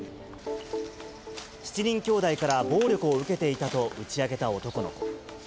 ７人きょうだいから暴力を受けていたと打ち明けた男の子。